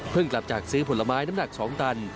กลับจากซื้อผลไม้น้ำหนัก๒ตัน